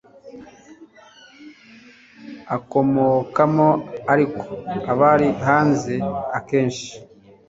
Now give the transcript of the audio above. akomokamo ariko abari hanze akenshi